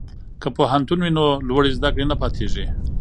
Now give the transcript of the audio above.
که پوهنتون وي نو لوړې زده کړې نه پاتیږي.